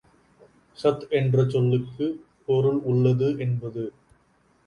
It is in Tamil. சத் என்ற சொல்லுக்குப் பொருள் உள்ளது என்பது.